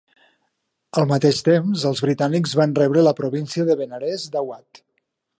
Al mateix temps, els britànics van rebre la província de Benarés d'Awadh.